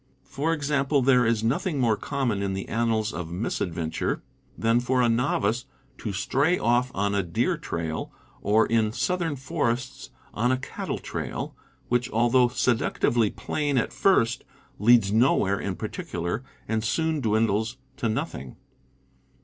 For example, there is nothing more common in the annals of misadventure than for a novice to stray off on a deer trail, or, in southern forests, on a cattle trail, which, although seductively plain at first, leads nowhere in particular and soon dwindles to nothing.